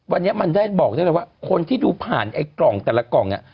วันนี้มันได้บอกได้เลยว่าคนที่ดูผ่านไอ้กล่องแต่ละกล่องเนี่ย